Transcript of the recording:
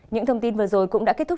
những thông tin vừa rồi cũng đã kết thúc